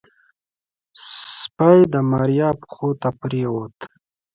سپي د ماريا پښو ته پرېوت.